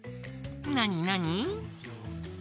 なになに？